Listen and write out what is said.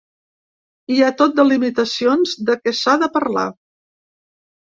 Hi ha tot de limitacions de què s’ha de parlar.